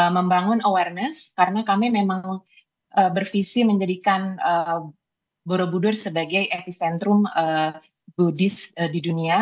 membangun awareness karena kami memang bervisi menjadikan borobudur sebagai epicentrum go disk di dunia